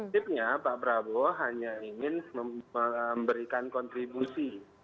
tipnya pak prabowo hanya ingin memberikan kontribusi